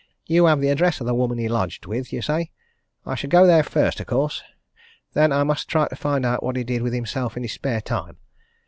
You have the address of the woman he lodged with, you say. I shall go there first, of course. Then I must try to find out what he did with himself in his spare time.